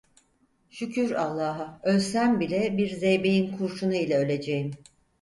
Şükür Allah’a ölsem bile bir zeybeğin kurşunu ile öleceğim!